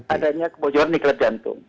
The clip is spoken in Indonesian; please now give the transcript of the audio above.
adanya kebocoran di klat jantung